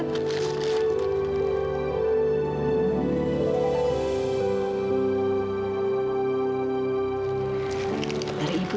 boneka dari ibu